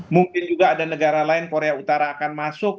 mungkin juga ada negara lain korea utara akan masuk